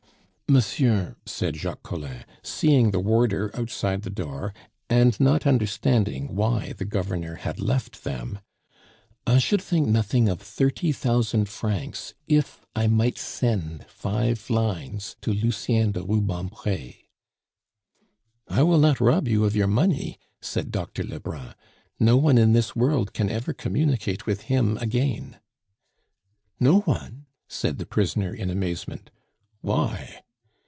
"Monsieur," said Jacques Collin, seeing the warder outside the door, and not understanding why the governor had left them, "I should think nothing of thirty thousand francs if I might send five lines to Lucien de Rubempre." "I will not rob you of your money," said Doctor Lebrun; "no one in this world can ever communicate with him again " "No one?" said the prisoner in amazement. "Why?"